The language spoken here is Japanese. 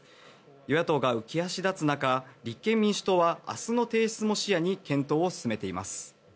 与野党が浮足立つ中立憲民主党は明日の提出も視野に検討を進めています。